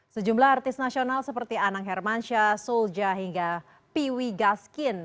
sejumlah artis nasional seperti anang hermansyah sulja hingga piwi gaskin